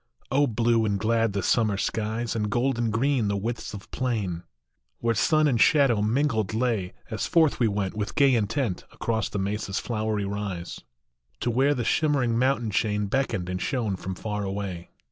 H, blue and glad the summer skies, And golden green the widths of plain Where sun and shadow mingled lay, As forth we went, with gay intent, Across the Mesa s flowery rise, To where the shimmering mountain chain Beckoned and shone from far away